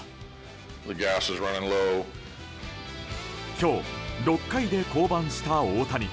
今日、６回で降板した大谷。